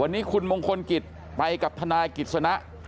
วันนี้คุณมงคลกิจไปกับทนายกิจสนะ